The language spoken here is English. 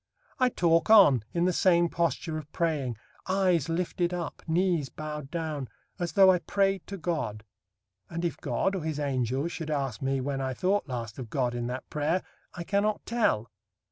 I talk on, in the same posture of praying; eyes lifted up; knees bowed down; as though I prayed to God; and, if God, or his Angels should ask me, when I thought last of God in that prayer, I cannot tell.